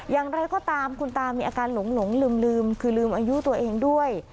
อย่างไรก็ตามคุณตามีอาการหลงลืมคือลืมอายุตัวเองด้วย